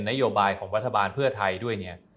นโยบายของรัฐบาลเพื่อไทยด้วยเนี่ย